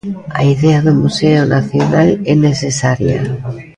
A idea de museo nacional é necesaria?